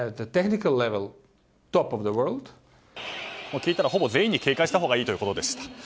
聞いたらほぼ全員に警戒したほうがいいということですが。